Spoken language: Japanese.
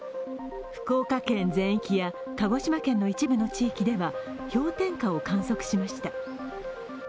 福岡県全域や鹿児島県の一部の地域では氷点下を観測しました。